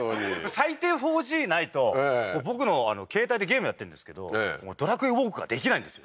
最低４Ｇないと僕の携帯でゲームやってるんですけどドラクエウォークができないんですよ